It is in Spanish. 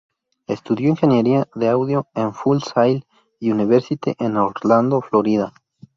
Estudió ingeniería de audio en Full Sail University en Orlando, Florida..